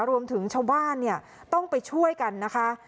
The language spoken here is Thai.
รวมถึงชาวบ้านเนี่ยต้องไปช่วยกันนะคะ